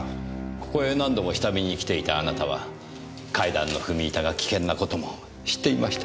ここへ何度も下見に来ていたあなたは階段の踏み板が危険なことも知っていました。